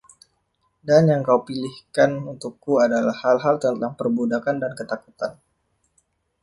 Dan yang kaupilihkan untukku adalah hal-hal tentang perbudakan dan ketakutan!